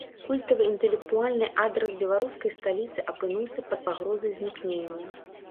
Культавы інтэлектуальны адрас беларускай сталіцы апынуўся пад пагрозай знікнення.